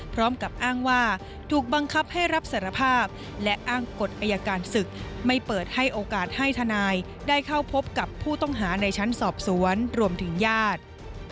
พร้อมกับอ้างว่าถูกบังคับให้รับสารภาพและอ้างกฎอายการศึกไม่เปิดให้โอกาสให้ทนายได้เข้าพบกับผู้ต้องหาในชั้นสอบสวนรวมถึงญาติ